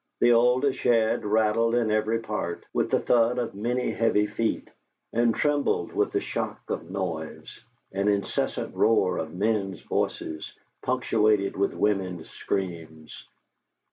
The old shed rattled in every part with the thud of many heavy feet, and trembled with the shock of noise an incessant roar of men's voices, punctuated with women's screams.